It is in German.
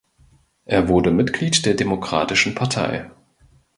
Er wurde Mitglied der Demokratischen Partei.